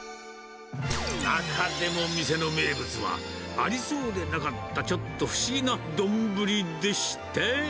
中でも店の名物は、ありそうでなかったちょっと不思議な丼でして。